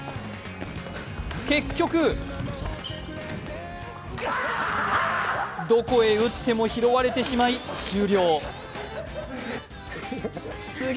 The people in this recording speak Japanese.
結局どこへ打っても拾われてしまい、終了。